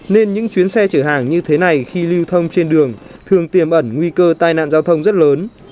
nên những chuyến xe chở hàng như thế này khi lưu thông trên đường thường tiềm ẩn nguy cơ tai nạn giao thông rất lớn